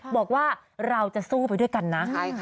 บอกว่าเราจะสู้ไปด้วยกันนะ